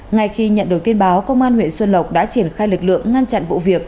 ngay khi nhận được tin báo công an huyện xuân lộc đã triển khai lực lượng ngăn chặn vụ việc